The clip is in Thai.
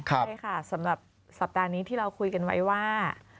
ใช่ค่ะสำหรับสัปดาห์นี้ที่เราคุยกันไว้ว่า